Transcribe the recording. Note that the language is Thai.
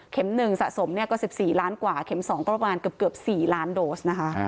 ๑สะสมก็๑๔ล้านกว่าเข็ม๒ก็ประมาณเกือบ๔ล้านโดสนะคะ